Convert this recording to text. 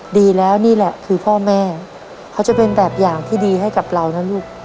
ดีแล้วนี่แหละคือพ่อแม่เขาจะเป็นแบบอย่างที่ดีให้กับเรานะลูก